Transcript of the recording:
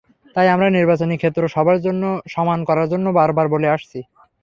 তাই আমরা নির্বাচনী ক্ষেত্র সবার জন্য সমান করার জন্য বারবার বলে আসছি।